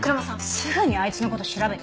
すぐにあいつの事調べて。